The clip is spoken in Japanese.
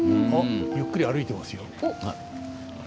お、ゆっくり歩いてますよ。